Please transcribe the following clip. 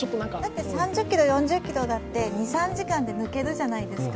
だっと３０ｋｍ、４０ｋｍだって２３時間で抜けるじゃないですか。